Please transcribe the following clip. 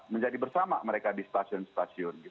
menjadi bersama mereka di stasiun stasiun